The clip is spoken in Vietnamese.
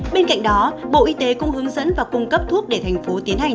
bên cạnh đó bộ y tế cũng hướng dẫn và cung cấp thuốc để thành phố tiến hành